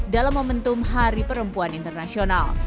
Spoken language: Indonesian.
dalam momentum hari perempuan internasional